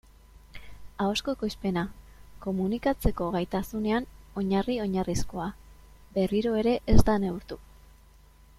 Ahozko ekoizpena, komunikatzeko gaitasunean oinarri-oinarrizkoa, berriro ere ez da neurtu.